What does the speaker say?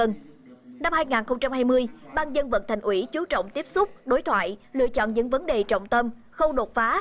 năm hai nghìn hai mươi ban dân vận thành ủy chú trọng tiếp xúc đối thoại lựa chọn những vấn đề trọng tâm không đột phá